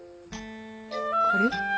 あれ？